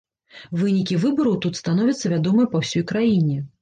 Вынікі выбараў тут становяцца вядомыя па ўсёй краіне.